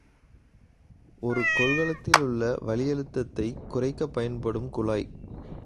ஒரு கொள்கலத்திலுள்ள வளியழுத்தத்தை குறைக்கப் பயன்படும் குழாய்.